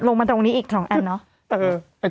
มาตรงนี้อีก๒อันเนอะ